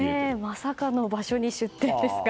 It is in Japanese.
まさかの場所に出店ですが。